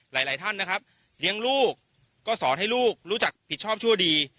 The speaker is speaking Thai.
หลายท่านนะครับเลี้ยงลูกก็สอนให้ลูกรู้จักผิดชอบชั่วดี